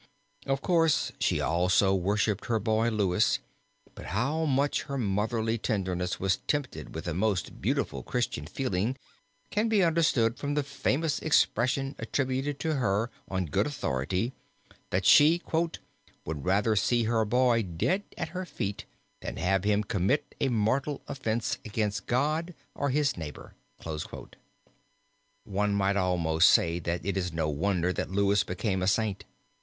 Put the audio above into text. Of course she also worshipped her boy Louis, but how much her motherly tenderness was tempered with the most beautiful Christian feeling can be understood from the famous expression attributed to her on good authority, that she "would rather see her boy dead at her feet, than have him commit a mortal offense against his God or his neighbor." One might almost say that it is no wonder that Louis became a saint.